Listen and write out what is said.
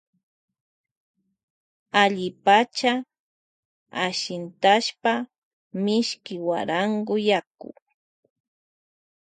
Allipacha ashintashpa mishki guarango yaku.